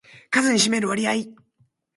数に占める割合